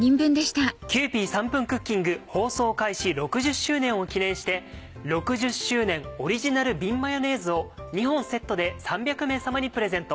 『キユーピー３分クッキング』放送開始６０周年を記念して６０周年オリジナル瓶マヨネーズを２本セットで３００名様にプレゼント。